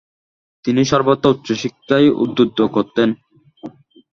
তিনি সর্বদা উচ্চশিক্ষায় উদ্বুদ্ধ করতেন।